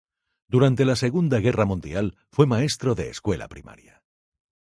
Durante la Segunda Guerra Mundial fue maestro de escuela primaria.